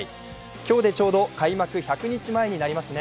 今日でちょうど開幕１００日前になりますね。